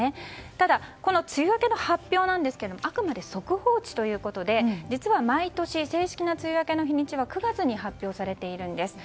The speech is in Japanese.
ただ、梅雨明けの発表ですがあくまで速報値ということで実は毎年正式な梅雨明けの日にちは９月に発表されているんです。